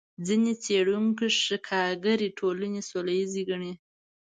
ځینې څېړونکي ښکارګرې ټولنې سوله ییزې ګڼي.